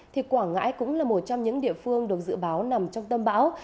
thì quảng ngãi cũng là một trong những địa phương được dự báo nằm trong tâm bão